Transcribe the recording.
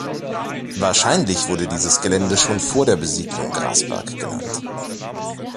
Wahrscheinlich wurde dieses Gelände schon vor der Besiedlung “Grasberg” genannt.